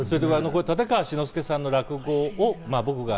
立川志の輔さんの落語を僕が